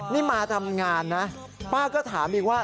นี่มาทำงานนะป้าก็ถามอีกว่า